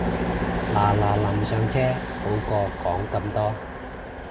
嗱嗱臨上車好過講咁多